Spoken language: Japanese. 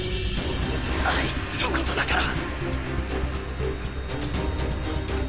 あいつのことだから